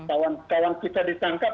kawan kawan kita ditangkap